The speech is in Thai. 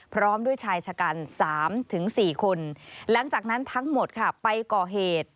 พร้อมด้วยชายชะกัน๓๔คนหลังจากนั้นทั้งหมดค่ะไปก่อเหตุ